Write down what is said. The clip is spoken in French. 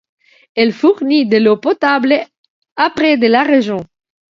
Elle fournit de l'eau potable à près de de la région.